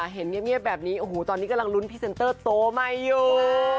เห็นเงียบแบบนี้โอ้โหตอนนี้กำลังลุ้นพรีเซนเตอร์โตใหม่อยู่